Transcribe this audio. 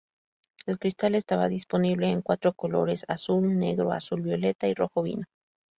El cristal estaba disponible en cuatro colores: azul, negro, azul violeta y rojo vino.